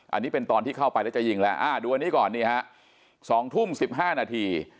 อันนี้เป็นตอนที่เข้าไปแล้วจะยิงแล้วดูอันนี้ก่อนนี่ฮะ๒ทุ่ม๑๕นาที